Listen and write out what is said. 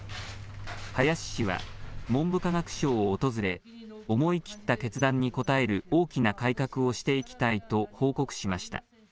林氏は、文部科学省を訪れ、思い切った決断に応える大きな改革をしていきたいと報告しました。